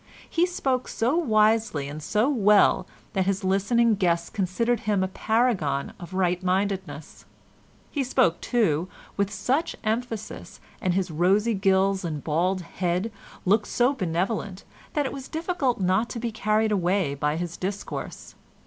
He spoke so wisely and so well that his listening guests considered him a paragon of right mindedness. He spoke, too, with such emphasis and his rosy gills and bald head looked so benevolent that it was difficult not to be carried away by his discourse.